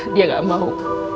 dia nggak mau